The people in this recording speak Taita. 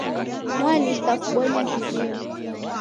Mwalisa kubonya kiw'iw'i.